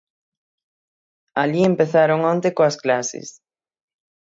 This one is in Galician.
Alí empezaron onte coas clases.